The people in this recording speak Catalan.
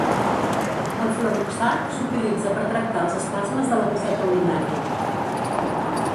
El flavoxat s'utilitza per tractar els espasmes de la bufeta urinària.